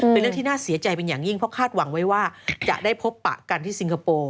เป็นเรื่องที่น่าเสียใจเป็นอย่างยิ่งเพราะคาดหวังไว้ว่าจะได้พบปะกันที่สิงคโปร์